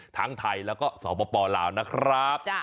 ทั้งไทยแล้วก็สปลาวนะครับ